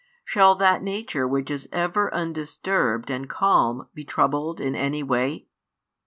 Shall that Nature which is ever undisturbed and calm be troubled in any way?